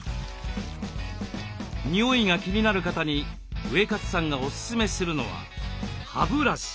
臭いが気になる方にウエカツさんがおすすめするのは歯ブラシ。